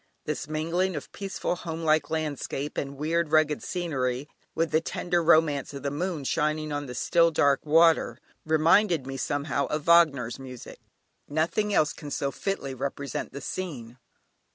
This mingling of peaceful homelike landscape, and weird rugged scenery, with the tender romance of the moon shining on the still dark water, reminded me, somehow, of Wagner's music; nothing else can so fitly represent the scene.